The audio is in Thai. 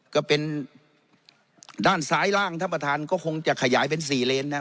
ก็เป็นด้านซ้ายล่างท่านประธานก็คงจะขยายเป็นสี่เลนนะครับ